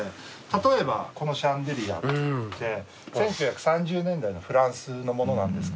例えばこのシャンデリアって１９３０年代のフランスのものなんですけど。